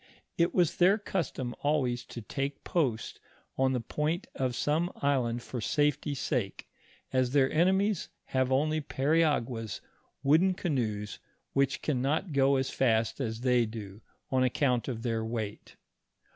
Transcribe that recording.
It was their custom always to take post on the point of some island for safety sake, as their enemies have only periaguas, wooden canoes, which can not go as fast as they do, on ac count of their weight.